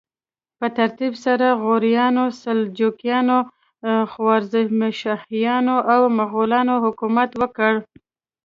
په ترتیب سره غوریانو، سلجوقیانو، خوارزمشاهیانو او مغولانو حکومت وکړ.